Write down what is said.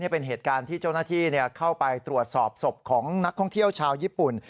เป็นเหตุการณ์ที่เจ้าหน้าที่เข้าไปตรวจสอบศพของนักท่องเที่ยวชาวญี่ปุ่น